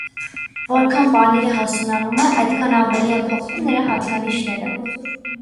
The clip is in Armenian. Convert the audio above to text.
Որքան պանիրը հասունանում է, այդքան ավելի են փոխվում նրա հատկանիշները։